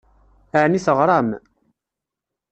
Ɛni teɣṛam?